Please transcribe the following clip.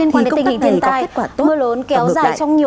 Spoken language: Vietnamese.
thì công tác này có kết quả tốt và ngược lại